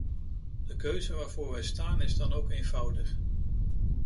De keuze waarvoor wij staan is dan ook eenvoudig.